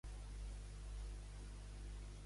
Qui és a la llista Construïm en Comú?